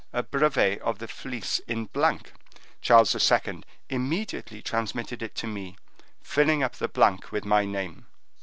a brevet of the Fleece in blank; Charles II. immediately transmitted it to me, filling up the blank with my name."